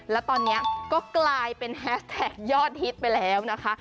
แล้วตอนนี้ก็กลายเป็นแฮสแท็กยอดฮิตไปแล้วนะคะ